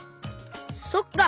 そっか。